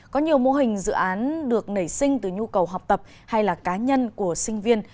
có nhiều mô hình dự án được nảy sinh từ nhu cầu học tập hay là cá nhân của sinh viên